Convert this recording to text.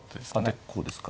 でこうですか。